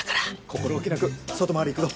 心置きなく外回り行くぞ。